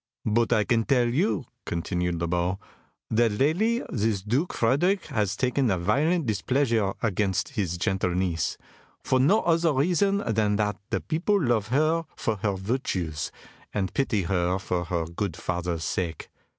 "But I can tell you," continued Le Beau, "that lately this Duke Frederick has taken a violent displeasure against his gentle niece, for no other reason than that the people love her for her virtues, and pity her for her good father's sake.